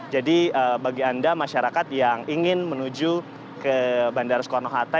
jadi bagi anda masyarakat yang ingin menuju ke bandara soekarno hatta